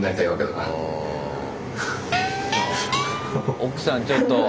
奥さんちょっと。